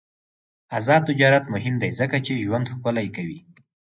آزاد تجارت مهم دی ځکه چې ژوند ښکلی کوي.